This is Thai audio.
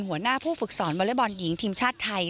หัวหน้าผู้ฝึกสอนวอเล็กบอลหญิงทีมชาติไทย